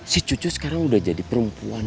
si cucu sekarang udah jadi perempuan